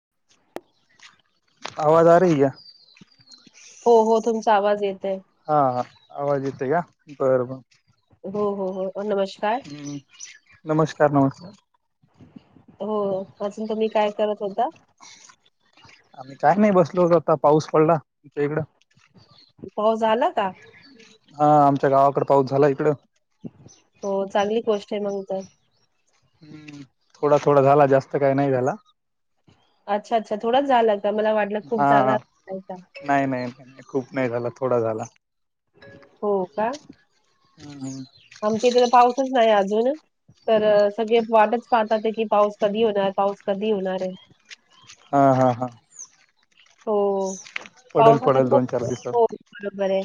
[inaudible] हो हो तुमचा आवाज येत हा हा आवाज येतया बर बर. हो हो हो. नमस्कार. हम्म नमस्कार नमस्कार. हो अजून तुम्ही काय करत होता. आम्ही काय नाही बसलो आता पाऊस पडला आमच्या इकडं. हो झाला का? हा आमच्या गावाकड पाऊस झाला इकडं. हो चांगली गोष्ट आहे मंग तर. हम्म थोडा थोडा झाला जास्त काही नाही झाला. अच्छा अच्छा थोडाच झाला का मला वाटलं खूप जाला हा आहे नाही का. नाही नाही खूप नाही झाला थोडा झाला. हो का हम्म आमच्या इथे तर पाऊसच नाही अजून तर सगळे वाटच पाहतात ते की पाऊस कधी होणार पाऊस कधी होणार आहे. हा हा हा. हो पडेल पावसाच पडेल खूप दोन चार दिवसात हो बरोबर आहे.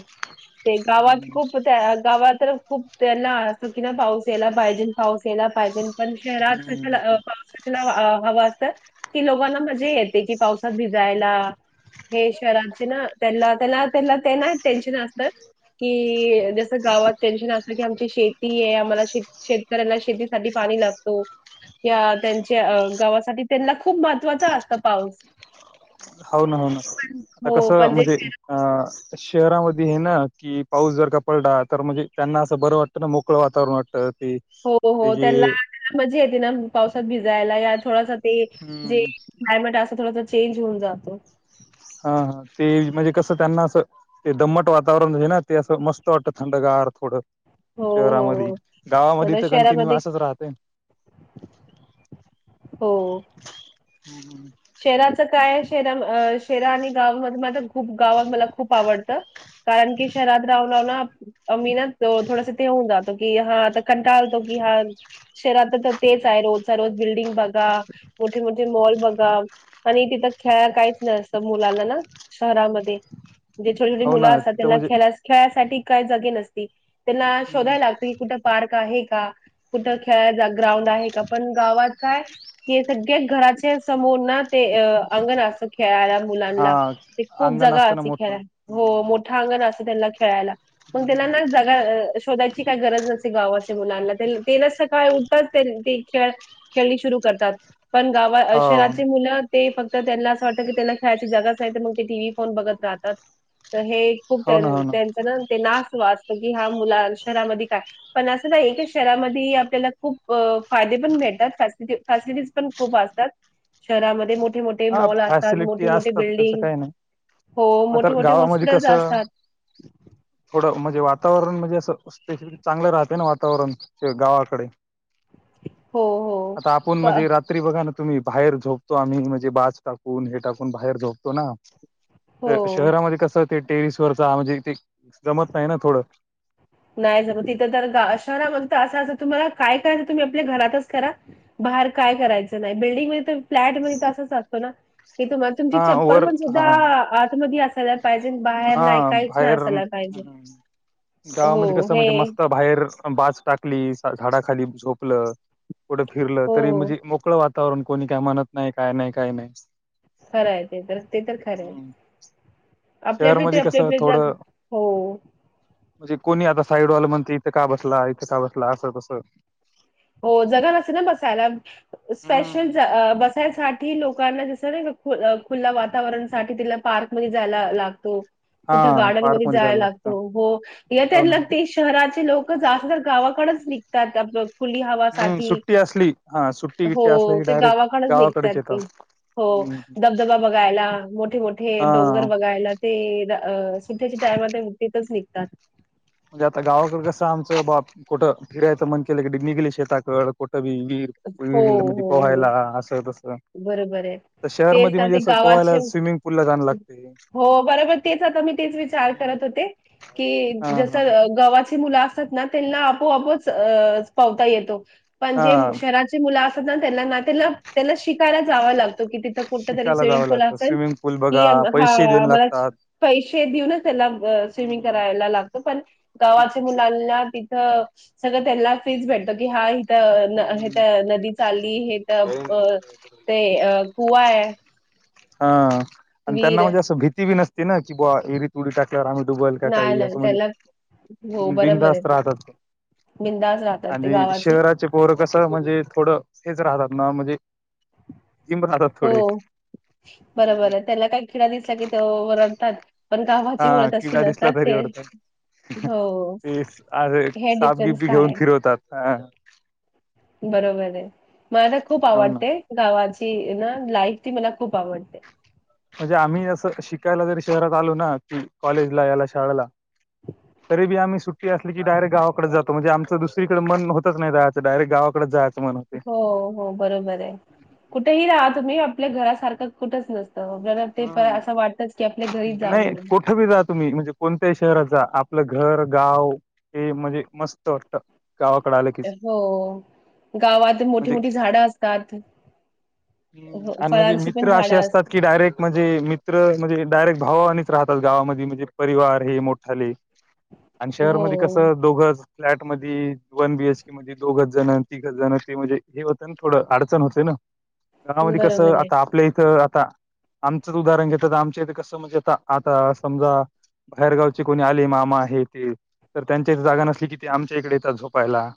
ते गावात हम्म खूप त्या गावात तर खूप त्यांना असत की ना पाऊस यायला पाहिजेल पाऊस यायला पाहिजेल. पण शहरात कशाला अ हम्म पाऊस कशाला अ हवा [inaudible] लोकांना मजा येते की पावसात भिजायला हे शहरचे ना त्यांलां त्यांला त्यानाला त्यांना टेन्शन असतं. कि जस गावात टेन्शन असलं की आमची शेती आहे आम्हा शेत- शेतकऱ्यांना शेतीसाठी पा पाणी लागतो या त्यांच्या आ गावासाठी त्यांना खूप महत्वाचा असतो पाऊस. [inaudible] हो ना हो ना पण आता हो कसं पण जे म्हणजे अ शहरामध्ये हे ना कि पाऊस जर का पडला तर म्हणजे त्यांना असं बरं वाटतं ना मोकळं वातावरण वाटतं. ते जे मज्या येते ना पावसात भिजायला या थोडासा ते जे हम्म. क्लायमेट अस त्यात थोडासा चेंज होऊन जातो. हा हा ते म्हजे कसं त्यांना असं ते दम्मट वातावरण आहे ना ते असं मस्त वाटतं थंड डंगार थोडं हो, शहरामध्ये हो. गावामध्ये आता तर कंटिन्यू शहरामध्ये असच राहते. हो हो. शहराचं काय आहे शरा अ शहरा आणि गावामध्ये माझ खूप गावात मला खूप आवडत कारण की शहरात रावलं ना अमी ना तो थोडासं ते होऊन जातो की हा तर कंटालतो की हा शेरात आता ते तेच चाय रोजचा रोज बिल्डिंग बघा मोठे मोठे मॉल बघा. आणि तिथं खेळायला काहीच नसतं मुलांना ना शहरामध्ये. जे छोटी छोट हो मुलं ना असतात तिथं त्यांना म्हणजे खेळास खेळायसाठी काय जागे नसती. त्यांना शोधायला लागतं की कुठं पार्क आहे का कुठं खेळाय ग्राउंड आहे का पण गावात काय हे सगळे घराच्या समोर ना ते अंगण अस खेळायला हा मुलांला ते खूप अंगण जागा असतं ना असती मोठं. खेळाय हो मोठं अंगण असतं त्यांना खेळायला पण त्यांना ना जगा शोधायची काय गरज नसते गावाच्या मुलांना तेन्ला ते न सकाळी ऊ तेन ते खेळ खेळणी शुरू करतात पण गावा हो शहराची मुलं ते फक्त त्यांला असं वाटतं की त्यांला खेळायची जगाच आहे तर मग ते टीव्ही फोन बघत राहतात. हे खूप हो ना हो त्यानं त्यांचं ना नास वा असतो की हा मुलां शहरामध्ये काय पण असं नाही की एकच शहरामध्ये आपल्याला खूप फायदे पण भेटतात फॅसिलिटी फॅसिलिटीज पण खूप असतात शहरामध्ये मोठ मोठे मोठे हा मॉल असतात फॅसिलिटी मोठे मोठे असतात त्याचं बिल्डिंग काही नाही. हो म तर मोठे मोठे गावामध्ये हॉस्पिटल्स कसं असतात. थोडं म्हणजे वातावरण म्हणजे असं स्पेसिफिक चांगलं राहते ना वातावरण गावाकडे हो हो आता आपण प- म्हणजे रात्री बघा ना तुम्ही बाहेर झोपतो आम्ही म्हणजे बाच टाकून हे टाकून बाहेर झोपतो हो शहरामध्ये कस ते टेरिस वरचा म्हणजे ते जमत नाही ना थोडं नाही सग तिथं तर शहरामध्ये तर असं असं तुम्हाला काय करायचं तुम्ही आपल्या घरातच करा बाहेर काय करायचं नाही बिल्डिंगमध्ये फ्लॅट मध्ये तर अस ज असतो ना की तुम्हा तुमची हा वर चप्पल पण हा सुधा आतमध्ये असला पाहिजे बाहेर नाही हा काहीच ना बाहेर असायला पाहिजे हो कस हे म्हणजे मस्त बाहेर बाज टाकली झाडाखाली झोप लं कुठे फिरलं हो तरी म्हणजे मोकळ वातावरण कोणी काय म्हणत नाही काय नाही काय नाही खरं आहे ते तर ते तर खरं आहे हम्म आपल्यापडे ते शहरमध्ये कसं आपल्यापल्या जा थोडं हो म्हणजे कोणी आता साईड वॉल म्हणते इथं का बसला इथं का बसला असं कसं हो जग नस ना बसायला स्पेशल हम्म बसायसाठी लोकांना जसं ना ख खुला वातावरणसाठी तिला पार्कमध्ये जायला लागतो हा कुठे गार्डनमध्येध्ये पार्क मध्ये जायला लागतं लागतो हो येतय हो ना लागते शहराचे लोक जास्त तर गावात कडच निघतात आप खुली हम्म हवासाठी सुट्टी असली हा सुट्टी हो गिट्टी असली की ते डायरेक्ट गावाकडच निघतात गावाकडेच ते येतात. हो धबधबा बघायला मोठे मोठे हा डोंगर बघायला ते सुध्याच्या टायम ते मुतीतच निघतात म्हणजे आता गावाकडे कसं आमचं बा कुठं फिरायच मन केलं क निघले शेताकडठ र हो, विरी मध्ये हो, हो. पोहायला असं तस बरोबर आहे. तर शहर तेच मध्ये ना म्हणजे ते असं पोहायला गावाचे स्विमिंग पूल ला जाय लागते हो बरोबर तेच आता मी तेच विचार ह करत होते की जसं गवा्हाची मुलं असतात ना त्यांना आपोआपोच पावता येतो पंजे मु हा अस ना त्यां त्यांना शिकायला जाव लागत कि तिथं कुठ तरी शिकायला स्विमिंग जावं पूल लागतं असेल स्विमिंग पूल कि बघा हा पैसे देण आम्हाला लागतात. पैसे देऊनच त्याला स्विमिंग हम्म. करायला लागतं पण गावाच्या मुलांना सगळं त्यांना फीच भेटतो की हा इथं तर नदी चालली हे तर अ ते कुवा आहे हा आणि त्यांना विहीर. म्हणजे अस भीती बी नसते ना की बा एरी तुडी टाक आम्ही दडुबल का नाही, काही नाही असं त्याला हो म्हणजे बरोबर आहे बिंदास्त ते राहतात बिंदास राहतात ते आणि गावाची शहराचे पोर कसं म्हणजे थोडं हेच राहतात ना म्हणजे इम्रारत हो थोडे बरोबर आहे त्याला काही खिड दिसला की ते रडतात पण गावाची हा मुळत अशी किडा दिसला नसतात तरी ते ओढतात हो ते हे सापगी डिफरन्स बी घेऊन आहे फिरवतात बरोबर आहे मला तर खूप हो ना आवडते गावाची ना लाईफ ती मला खूप आवडते म्हणजे आम्ही असं शिकायला जरी शहरात आलो ना की कॉलेजला याला शाळाला तरी बी आम्ही सुट अस क डारेक्टावाकडे जातो म्हणे आमच दुसरीकडे मन होच नाही त्या डायरेट गाकडेात हो हो बरोबर आहे कुठेही राहा तुम्ही आपल्या घरा सारखं कुठंच नसत ब ते हम्म असं वाटत की आपल्या घरी नाही जाऊया कुठं बी जा तुम्ही म्हणजे कोणत्याही शहराचा आपलं घर गाव हे म्हणजे मस्त वाटत हो गावात मोठी मोठी झाडं असतात ह हो आणि म्हणजे फळांची पण मित्र असे झाडं असतात की डायरेक्ट म्हणजे मित्र म्हणजे डायरेक्ट भावानीच राहतात गावामध्ये म्हणजे परिवार हे मोठाले आणि शहरमध्ये कस हो दोघंच फ्लॅट मदी वन बीएच के मध्ये दोगजण तिघजण ते म्हणजे हे होतं ना थोडं, अडचण होते ना. गावामध्ये कसं, बरोबर आहे आता आपल्या इथं आता आमचंच उदाहरण घेतल तर, आमच्या इथे कसं म्हणजे आता. आता समजा बाहेरगावची कोणी आले मामा हे ते तर त्यांच्या हित जागा नसली की ते आमच्या इकडे येतात झोपायला.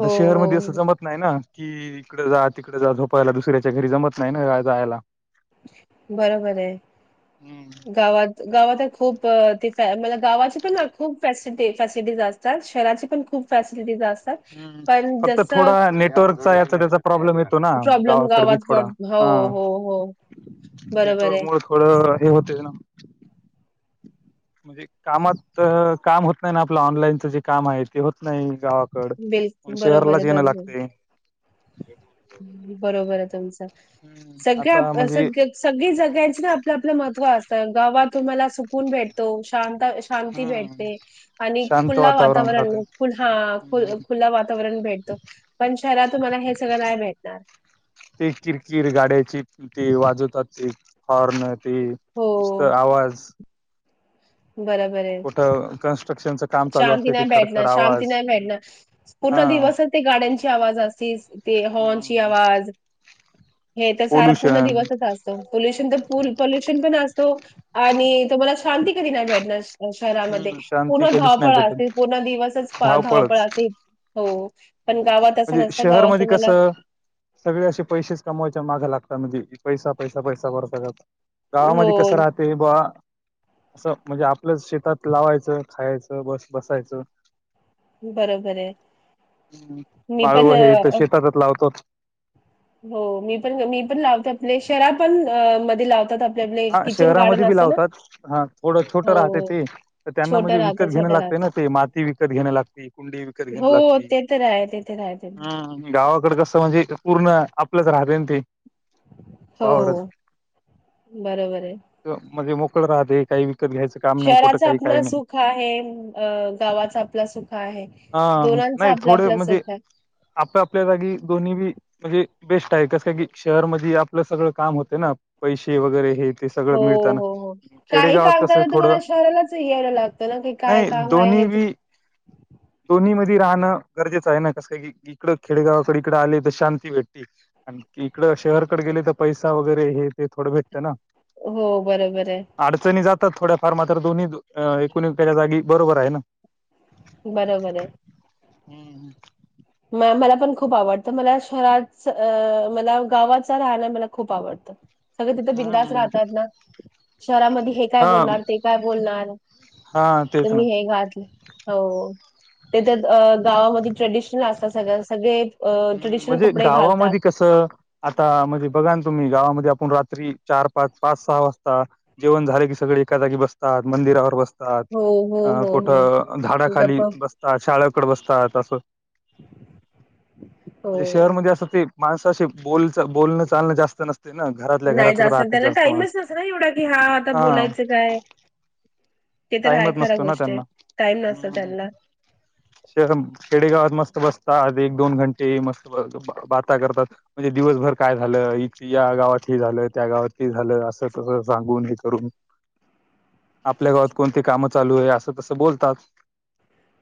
हो शहरमध्ये अस हो जमत नाही ना. कि इकडे जा तिकडे जा झोपायला दुसऱ्याच्या घरी जमत नाही ना जायला. बरोबर आहे हम्म गावात गावात आहे खूप अ तिथं गावाची पण खूप फॅसि फॅसिलिटीज असतात. शहराची पण खूप फॅसिलिटीज अस हम्म फक्त थोडा नेटवर्कचा याचा त्याचा प्रॉब्लेम येतो ना प्रॉब्लेम गावाकड बी गावात थोडा प्रॉब- हो हा. हो हो बरोबर नेटवर्क आहे मूळ थोडं हे होत ना. [inaudible] म्हणजे कामात काम होत नाही ना आपलं, ऑनलाईनच जे काम आहे ते होत नाही गावात. बिल प बरोबर आहे शहरलाच येणं बरोबर लागते. बरोबर आहे तुमच. आता सगळ्या म्हणजे सग सगळी जग्यांच ना आपलं आपल्या महत्व असत. गावात तुम्हाला सुकून भेटतो शांत शांती हम्म भेटते आणि शांत खुल्ला वातावरण राहते हा खुल्ला वातावरण भेटतो. पण शहरात तुम्हाला हे सगळं नाही भेटणार ते किरकिर गाड्याची ती वाजवतात ती हॉर्न ती हो नसत आवाज बरोबर आहे कुठं कन्स्ट्रक्शनच शांती नाही भेटणार शांती नाही भेटणार पूर्ण हा दिवसच ते गाड्यांची आवाज असती हॉर्नची हम्म आवाज. हे तर सारा पूर्ण पोल्युशन दिवसच असतो. पोल्युशन तर फुल पोल्युशन पण असतो आणि तुम्हाला शांती कधी नाही भेडणार शहरामध्ये हम्म. शांती पुन्हा कधीच नाही पळ असते भेटत पूर्ण दिवसच धावपळच. धावपळाचे हो पण हम्म. गावात असं म्हणजे नसतं, गावात शहरमध्ये तुम्हाला कसं सगळे असे पैसेच कमवायच्या माग लागतात. म्हणजे पैसा पैसा पैसा करत असतात. हो गावामध्ये कस राहते बा असं म्हणजे आपलंच शेतात लावायचं, खायचं, बस बसायचं. बरोबर आहे. ह मी पण माळवं हे अ, तर शेतातच लावतो. हो मी पण मी पण लावते, आपले शहरात पण मध्ये लावतात आपले हा किचन शहरामध्ये गार्डन बी असतं ना. लावतात हा थोडं छोटं राहते हो ते, तर त्यांना छोटं म्हणजे विकत राहतं घेणे छोटं राहतं. लागते. ती माती विकत घेणं लागती, कुंडी विकत घेणं हो लागती, ते तर आहे ते तर आहे ते हम्म गावाकड कसं म्हणजे ते पूर्ण, आपलंच राहते ना ते. हो वावरच. बरोबर हाय. म्हणजे मोकळ राहते काही घ्यायचं काम नाही कुठं शहराचं काही काही आपलं नाही सुख आहे अ गावाचं आपलं सुख आहे. हा दो नाही थोडे म्हणजे आप आपल्या जागी दोन्ही बी म्हणजे बेस्ट आहे कस की शहरमध्ये आपलं सगळं काम होते ना, पैसे वगैरे हे ते सगळ हो, मिळतं ना. हो, हो. काही खेडेगावात काम कस करायला थोड तुम्हाला शहरालाच यायला लागतं ना, की काय नाही दोन काम आहे हे दोनी ते. बी दोनी मध्ये ते रहाणं गरजेचं आहे कस काय की, इकडं खेडेगावाकडे इकडं आले तर शांती भेटती आणि तिकडं तर शहरकडे गेलं तर पैसा वगैरे हे ते थोडं भेटतं ना. हो, बरोबर आहे. अडचणी जातात थोड्या फार मात्र दोन्ही एकूण तेच्या जागी बरोबर आहे ना. बरोबर आहे. हम्म हम् म मला पण खूप आवडतं मला शहरच अ मला गावाचा राहण मला खूप आवडतं सगळे तिथे बिंदास हम्म राहतात ना शहरामध्ये हे काय हा बोलणार ते काय बोलणार हा तेच ना तुम्ही हे घातले हो त्याच्यात गावामध्ये ट्रेडिशनल असतात सगळ सगळे अ, ह् ट्रेडिशनल म्हणजे कपडे घालतात. गावामध्ये कसं आता म्हणजे बघा ना तुम्ही गावामध्ये आपण रात्री चार पाच पाच सहा वाजता जेवण झाले की सगळे एखाजागी बसतात मंदिरावर बसतात हो, हो, अ हो, हो. कुठं झाडाखाली गप्प बसतात शाळेकडे बसतात असं म्हणजे हो. शहरमध्ये असं ते माणसाशी बोल चा बोलणं चालणं जास्त नसत ते ना घरातल्या नाही घरातच राहतात त्यांना जास्त टाईमच नसतो ना एवढा, की आता माणसं हा बोलायचं काय? ते तर आहे टाईमच खरं नसतो ना गोष्ट आहे. त्यांना टाईम ह नसतो ह त्यांना. शर गडी गावात मस्त बसत आ एक दोन घंटे मस्त ब त बाता करतात म्हणजे दिवसभर काय झालं इथं या गावात ते झालं त्या गावात हे झालं अस त सांगून हे करून आपल्या गावात कोणती कामं चालू आहे असं तसं बोलतात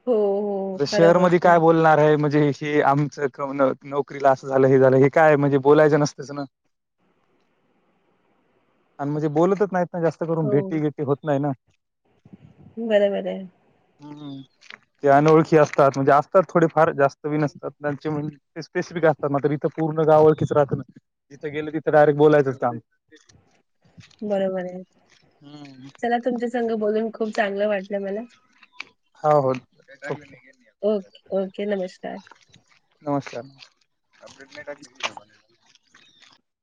हो, हो. या खरं शहर मध्ये गोष्ट काय आहे. बोलणार आहे म्हणजे ते आमच नो. नोकरीला असं झालं हे झालं हे काय म्हणजे बोलायचं नसतच ना ह आणि म्हणजे बोलतच नाहीत ना जास्त करून भेटी घेटी होत नाही ना बर बर हम ते अनोळखी असतात म्हणजे असतात थोडे फार जास्त बी नसतात त्यांचे स्पेसिफिक असतात मात्र इथून पूर्ण गावळखीच राहत ना जिथं गेले तिथे डायरेक्ट बोलायचंच काम बरोबर आहे हम्म चला तुमच्या संग बोलून खूप चांगलं वाटलं मला हो हो ओके ओके ओके नमस्कार नमस्कार अपडेट नाही टाकली तिथं वांदे झाले